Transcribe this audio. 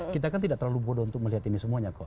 kita kan tidak terlalu bodoh untuk melihat ini semuanya kok